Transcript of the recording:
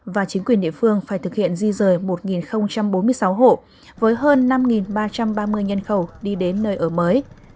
và chính quyền địa phương phải thực hiện di rời một bốn mươi sáu hộ với hơn năm ba trăm ba mươi nhân khẩu đi đến nơi ở mới